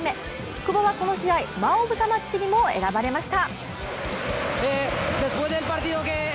久保はこの試合マンオブザマッチにも選ばれました。